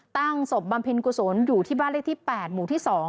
ตั้งศพบำเพ็ญกุศลอยู่ที่บ้านเลขที่๘หมู่ที่๒